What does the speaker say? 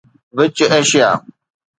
which Asia